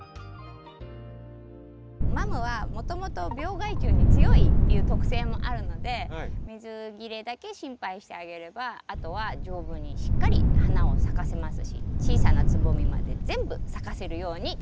マムはもともと病害虫に強いっていう特性もあるので水切れだけ心配してあげればあとは丈夫にしっかり花を咲かせますし小さなつぼみまで全部咲かせるように楽しんで下さい。